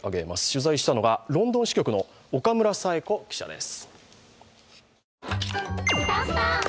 取材したのがロンドン支局の岡村佐枝子記者です。